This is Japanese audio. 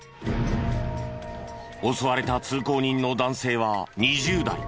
襲われた通行人の男性は２０代。